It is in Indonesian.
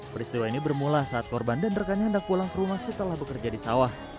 peristiwa ini bermula saat korban dan rekannya hendak pulang ke rumah setelah bekerja di sawah